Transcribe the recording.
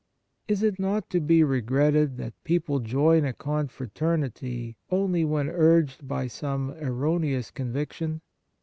Is it not to be regretted that people join a con fraternity only when urged by some erroneous conviction